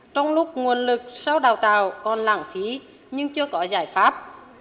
trong lúc nguồn lực sau đào tạo còn lãng phí nhưng chưa có giải pháp